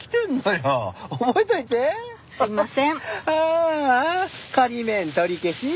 ああ仮免取り消し。